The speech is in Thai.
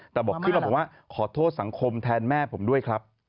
แต่บอกขึ้นมาบอกว่าขอโทษสังคมแทนแม่ผมด้วยครับ